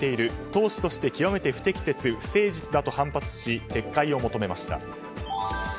党首として極めて不適切、不誠実だと反発して撤回を求めました。